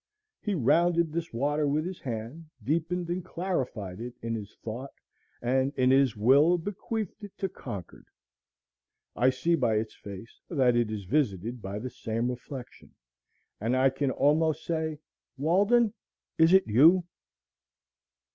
He rounded this water with his hand, deepened and clarified it in his thought, and in his will bequeathed it to Concord. I see by its face that it is visited by the same reflection; and I can almost say, Walden, is it you?